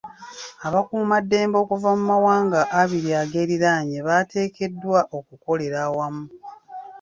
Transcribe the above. Abakuumaddembe okuva mu mawanga abiri ageeriraanye bateekeddwa okukolera awamu.